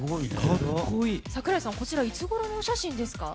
櫻井さん、こちらいつごろの写真ですか。